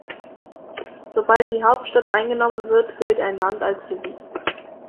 Sobald die Hauptstadt eingenommen wird, gilt ein Land als besiegt.